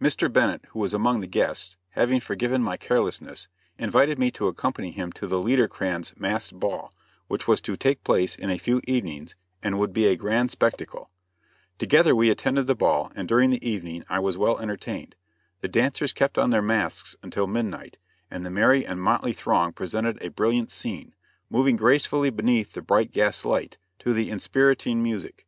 Mr. Bennett, who was among the guests, having forgiven my carelessness, invited me to accompany him to the Liederkranz masked ball, which was to take place in a few evenings, and would be a grand spectacle. Together we attended the ball, and during the evening I was well entertained. The dancers kept on their masks until midnight, and the merry and motley throng presented a brilliant scene, moving gracefully beneath the bright gas light to the inspiriting music.